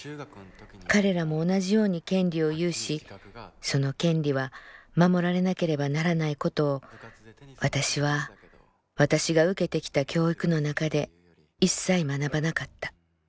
彼らも同じように権利を有しその権利は守られなければならないことを私は私が受けてきた教育の中でいっさい学ばなかった」。